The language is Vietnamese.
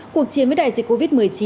cuộc chiến với đại dịch covid một mươi chín